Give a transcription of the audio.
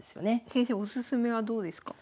先生おすすめはどうですか？